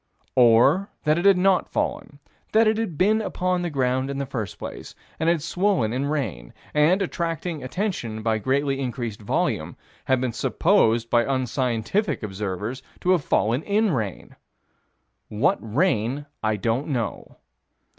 Or that it had not fallen; that it had been upon the ground in the first place, and had swollen in rain, and, attracting attention by greatly increased volume, had been supposed by unscientific observers to have fallen in rain What rain, I don't know.